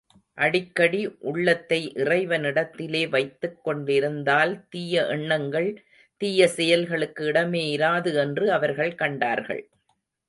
அடிக்கடி உள்ளத்தை இறைவனிடத்திலே வைத்துக் கொண்டிருந்தால் தீய எண்ணங்கள், தீய செயல்களுக்கு இடமே இராது என்று அவர்கள் கண்டார்கள்.